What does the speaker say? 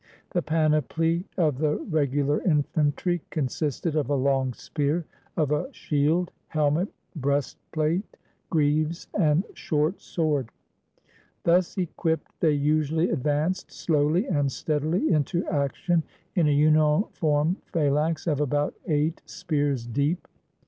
The panoply of the regu lar infantry consisted of a long spear, of a shield, helmet, breast plate, greaves, and short sword. Thus equipped, they usually advanced slowly and steadily into action in a uniform phalanx of about eight spears deep.